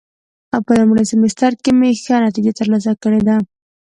په لومړي سمستر کې مې ښه نتیجه ترلاسه کړې ده.